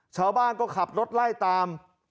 ชาวบ้านก็ขับรถไล่ตาม